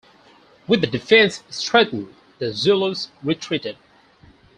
With the defense strengthened, the Zulus retreated.